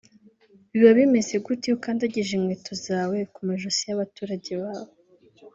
Biba bimeze gute iyo ukandagije inkweto zawe ku majosi y’abaturage bawe